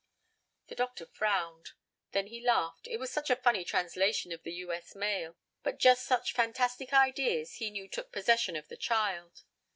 The doctor frowned; then he laughed. It was such a funny translation of the U. S. mail. But just such fantastic ideas he knew took possession of the child.